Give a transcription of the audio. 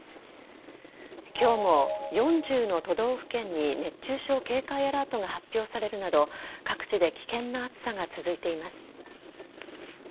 今日も４０の都道府県に熱中症警戒アラートが発表されるなど各地で危険な暑さが続いています。